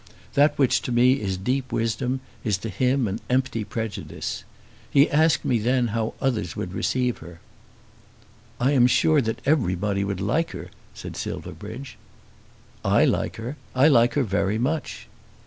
That which to me is deep wisdom is to him an empty prejudice. He asked me then how others would receive her." "I am sure that everybody would like her," said Silverbridge. "I like her. I like her very much."